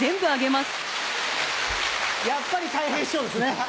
やっぱりたい平師匠ですね。